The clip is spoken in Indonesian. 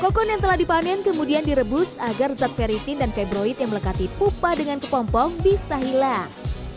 tokon yang telah dipanen kemudian direbus agar zat peritin dan febroid yang melekati pupa dengan kepompong bisa hilang